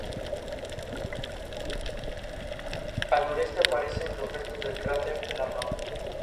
Al noroeste aparecen los restos del cráter Lamarck.